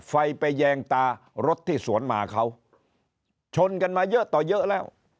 ไฟไปแยงตารถที่สวนมาเขาชนกันมาเยอะต่อเยอะแล้ว